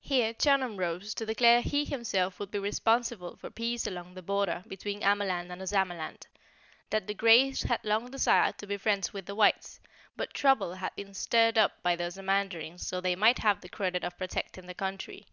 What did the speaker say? Here Chunum rose to declare he himself would be responsible for peace along the border between Amaland and Ozamaland, that the Greys had long desired to be friends with the Whites, but trouble had been stirred up by the Ozamandarins so they might have the credit of protecting the country.